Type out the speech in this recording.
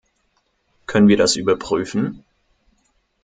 Können wir das überprüfen?